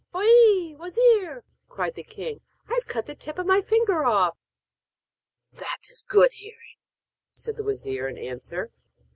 'Oh he, wazir!' cried the king, 'I've cut the tip of my finger off!' 'That is good hearing!' said the wazir in answer.